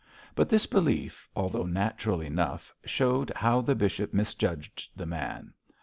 But this belief, although natural enough, showed how the bishop misjudged the man.